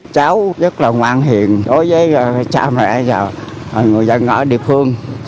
cháu rất là ngoan hiền đối với cha mẹ và người dân ở địa phương